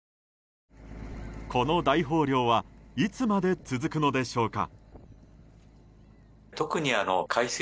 この大豊漁はいつまで続くのでしょうか。